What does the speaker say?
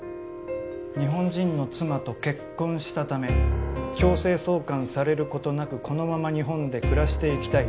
日本人の妻と結婚したため強制送還されることなくこのまま日本で暮らしていきたい。